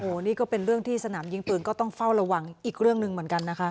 โอ้โหนี่ก็เป็นเรื่องที่สนามยิงปืนก็ต้องเฝ้าระวังอีกเรื่องหนึ่งเหมือนกันนะคะ